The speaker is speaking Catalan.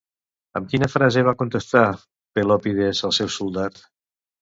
Amb quina frase va contestar Pelòpides al seu soldat?